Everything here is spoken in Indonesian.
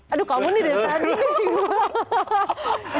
aduh kamu nih dari tadi